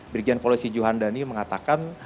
brigjen polisi johan dhani mengatakan